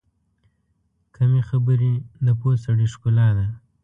کمې خبرې، د پوه سړي ښکلا ده.